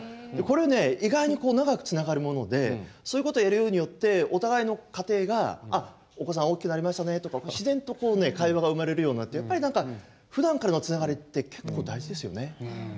これね意外に長くつながるものでそういうことやるようによってお互いの家庭が「お子さん大きくなりましたね」とか自然とこうね会話が生まれるようになってやっぱり何かふだんからのつながりって結構大事ですよね。